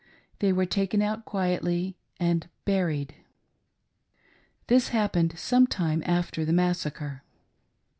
They were taken out quietly and — buried! This happened some time after the massacre.